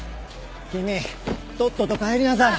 君とっとと帰りなさい。